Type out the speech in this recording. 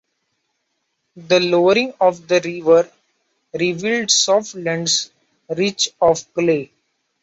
The lowering of the river revealed soft lands rich of clay.